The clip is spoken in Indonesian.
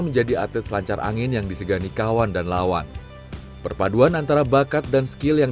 menjadi atlet selancar angin yang disegani kawan dan lawan perpaduan antara bakat dan skill yang